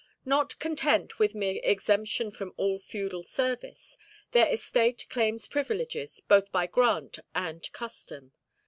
Not content with mere exemption from all feudal service, their estate claims privileges, both by grant and custom.